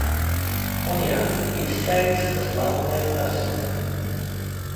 Un jā, izteikts tas mazliet ar smīnu.